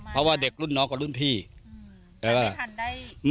เพราะว่าเด็กรุ่นน้องกับรุ่นพี่แต่ไม่ทันได้